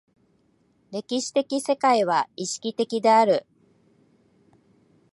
歴史的世界は意識的である。